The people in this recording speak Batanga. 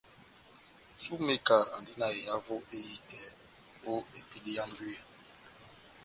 Sumeka andi na ehavo ehitɛ o epedi ya mbwiya.